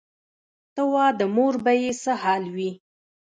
ته وا د مور به یې څه حال وي.